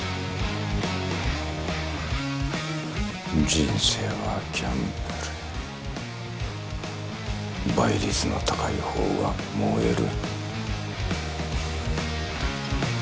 人生はギャンブル倍率の高い方が燃える